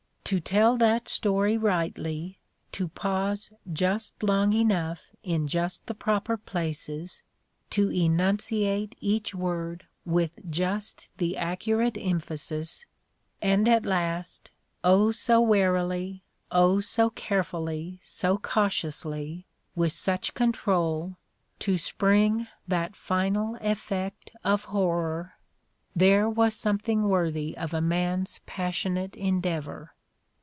To tell that story rightly, to pause just long enough in just the proper places, to enunciate each word with just the accurate emphasis, and at last — oh ! so warily, oh! so carefully, so cautiously, with such control, to spring that final effect of horror !— there was something worthy of a man 's passionate endeavor